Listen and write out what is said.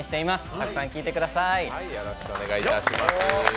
たくさん聴いてください。